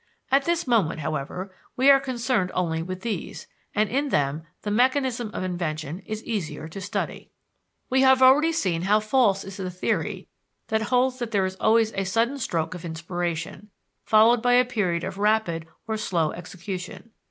At this moment, however, we are concerned only with these, and in them the mechanism of invention is easier to study. We have already seen how false is the theory that holds that there is always a sudden stroke of inspiration, followed by a period of rapid or slow execution.